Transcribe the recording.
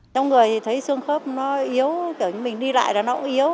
trong người thì thấy xương khớp nó yếu kiểu như mình đi lại là nó cũng yếu